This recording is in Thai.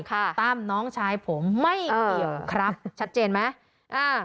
ค่ะตามน้องชายผมไม่เห็นครับชัดเจนไหมอ่า